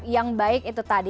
yang baik itu tadi